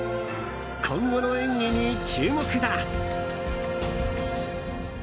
今後の演技に注目だ。